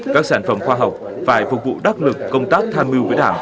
các sản phẩm khoa học phải phục vụ đắc lực công tác tham mưu với đảng